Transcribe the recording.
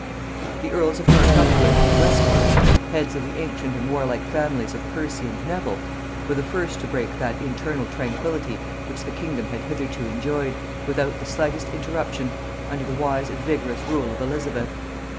The earls of Northumberland and Westmorland, heads of the ancient and warlike families of Percy and Nevil, were the first to break that internal tranquillity which the kingdom had hitherto enjoyed, without the slightest interruption, under the wise and vigorous rule of Elizabeth.